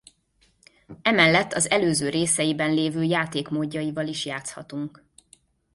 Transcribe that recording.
Emellett az előző részeiben lévő játékmódjaival is játszhatunk.